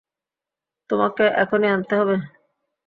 তোমাকে এখনই আনতে হবে?